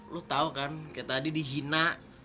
lu tahu kan kayak tadi dihina